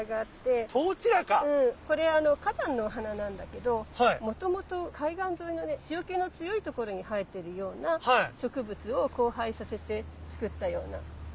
これあの花壇のお花なんだけどもともと海岸沿いのね塩気の強いところに生えてるような植物を交配させて作ったような園芸植物。